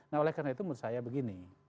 nah oleh karena itu menurut saya begini